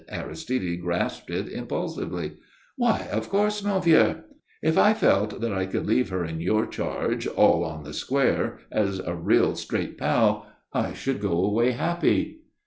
Aristide grasped it impulsively. "Why, of course, mon vieux!" "If I felt that I could leave her in your charge, all on the square, as a real straight pal I should go away happy."